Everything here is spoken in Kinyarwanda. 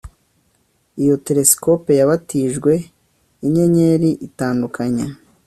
Iyo telesikope yabatijwe InyenyeriItandukanya